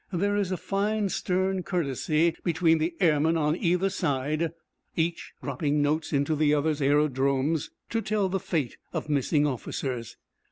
There is a fine stern courtesy between the airmen on either side, each dropping notes into the other's aerodromes to tell the fate of missing officers.